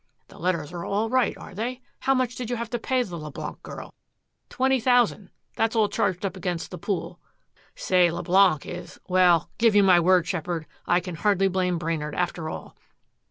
"The letters are all right, are they? How much did you have to pay the Leblanc girl?" "Twenty thousand. That's all charged up against the pool. Say, Leblanc is well give you my word, Sheppard I can hardly blame Brainard after all."